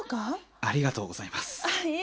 ・ありがとうございます。